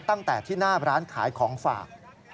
ตั้งแต่ที่หน้าร้านขายของฝาก